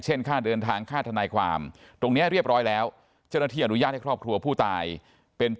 ครอบครัวไม่ได้อาฆาตแต่มองว่ามันช้าเกินไปแล้วที่จะมาแสดงความรู้สึกในตอนนี้